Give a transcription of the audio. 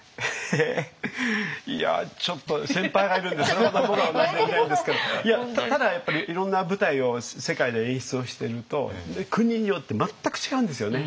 えいやちょっと先輩がいるんでそれほど僕はお話しできないんですけどただやっぱりいろんな舞台を世界で演出をしてると国によって全く違うんですよね。